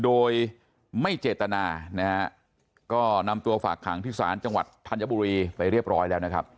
โดยไม่เจตนานะฮะก็นำตัวฝากขังที่ศาลจังหวัดธัญบุรีไปเรียบร้อยแล้วนะครับ